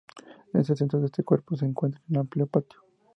En el centro de este cuerpo se encuentra un amplio patio.